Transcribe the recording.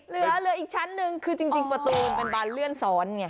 เหลืออีกชั้นหนึ่งคือจริงประตูมันเป็นบานเลื่อนซ้อนไง